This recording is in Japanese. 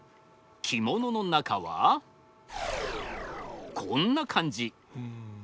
着物の中はこんな感じ。